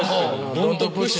ドントプッシュ。